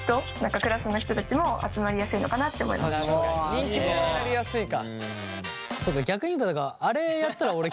人気者になりやすいか。